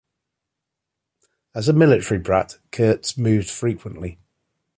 As a military brat, Kurtz moved frequently.